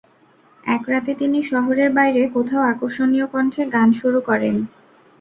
এক রাতে তিনি শহরের বাইরে কোথাও আকর্ষণীয় কণ্ঠে গান শুরু করেন।